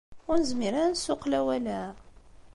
Ur nezmir ara ad nessuqel awal-a?